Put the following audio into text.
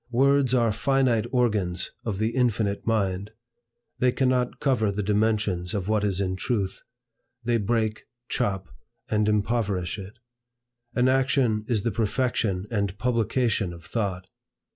Words are finite organs of the infinite mind. They cannot cover the dimensions of what is in truth. They break, chop, and impoverish it. An action is the perfection and publication of thought.